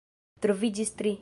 Troviĝis tri.